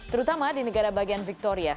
terutama di negara bagian victoria